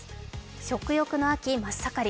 食欲の秋真っ盛り。